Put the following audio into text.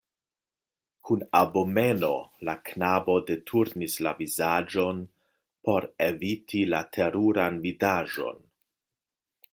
Kun abomeno la knabo deturnis la vizaĝon por eviti la teruran vidaĵon.